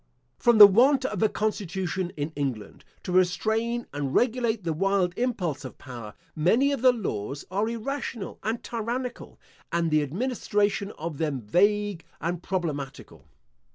From the want of a constitution in England to restrain and regulate the wild impulse of power, many of the laws are irrational and tyrannical, and the administration of them vague and problematical.